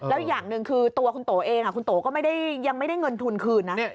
แล้วอย่างหนึ่งคือตัวคุณโตเองคุณโตก็ยังไม่ได้เงินทุนคืนนะ